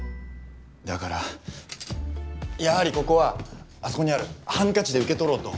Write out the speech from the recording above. だからやはりここはあそこにあるハンカチで受け取ろうと。